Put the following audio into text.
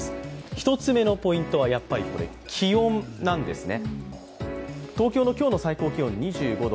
１つ目のポイントは気温なんですね